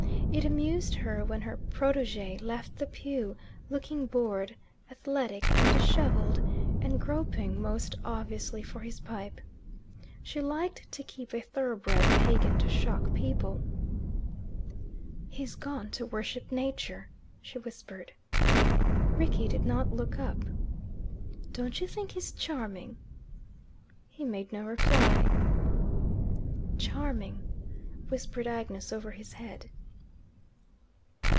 It amused her when her Protege left the pew, looking bored, athletic, and dishevelled, and groping most obviously for his pipe. She liked to keep a thoroughbred pagan to shock people. "He's gone to worship Nature," she whispered. Rickie did not look up. "Don't you think he's charming?" He made no reply. "Charming," whispered Agnes over his head.